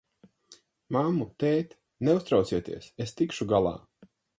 Mammu, tēti, neuztraucieties, es tikšu galā!